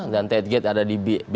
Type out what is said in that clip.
dan tetgate ada di big